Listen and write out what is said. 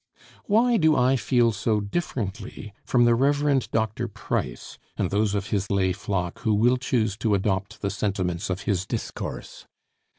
Why do I feel so differently from the Reverend Dr. Price and those of his lay flock who will choose to adopt the sentiments of his discourse?